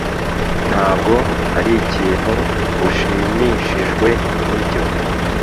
Ntabwo arikintu ushimishijwe nibyo